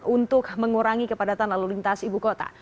untuk mengurangi kepadatan lalu lintas ibu kota